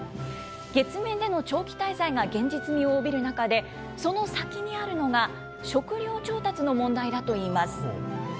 月面での長期滞在が現実味を帯びる中で、その先にあるのが食料調達の問題だといいます。